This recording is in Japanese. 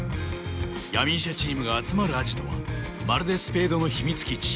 闇医者チームが集まるアジトはまるでスペードの秘密基地